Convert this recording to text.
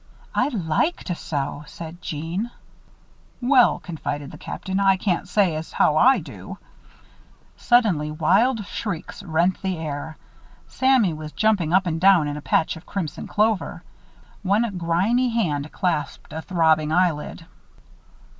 "I like to sew," said Jeanne. "Well," confided the Captain, "I can't say as how I do." Suddenly, wild shrieks rent the air. Sammy was jumping up and down in a patch of crimson clover. One grimy hand clasped a throbbing eyelid.